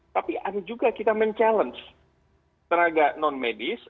tapi ada juga kita mencabar tenaga non medis